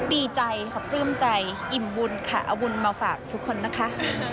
ดีใจค่ะปลื้มใจอิ่มบุญค่ะเอาบุญมาฝากทุกคนนะคะ